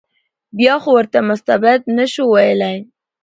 بیا خو ورته مستبد نه شو ویلای.